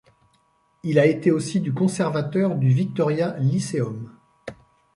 Il a été aussi du conservateur du Victoria Lyceum.